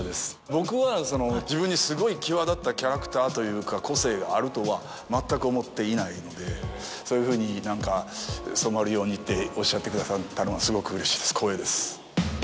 僕は自分にすごい際立ったキャラクターというか個性があるとは全く思っていないのでそういうふうに何か染まるようにっておっしゃってくださったのはすごくうれしいです光栄です。